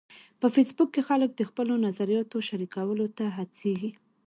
په فېسبوک کې خلک د خپلو نظریاتو شریکولو ته هڅیږي.